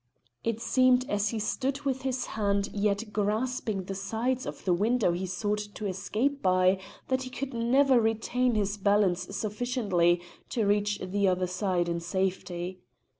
It seemed as he stood with his hands yet grasping the sides of the window he sought to escape by, that he could never retain his balance sufficiently to reach the other in safety.